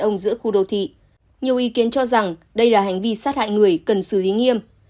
nhiều ý kiến cho rằng đây là hành vi sát hại người cần xử lý nghiêm